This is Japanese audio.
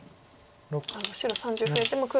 白３０増えて黒。